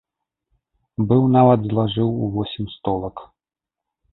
Быў нават злажыў у восем столак.